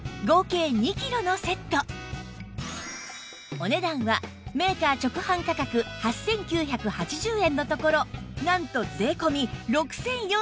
お値段はメーカー直販価格８９８０円のところなんと税込６４８０円